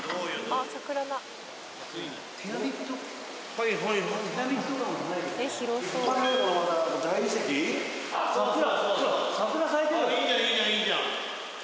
あっいいじゃんいいじゃんいいじゃん。